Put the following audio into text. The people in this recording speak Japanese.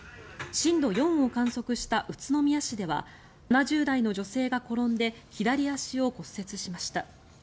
震度４を観測した宇都宮市では７０代の女性が転んで左足を骨折しました。